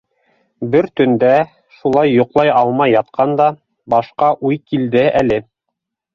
Бер төндә, шулай йоҡлай алмай ятҡанда, башҡа уй килде әле.